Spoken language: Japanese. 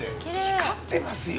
光ってますよ。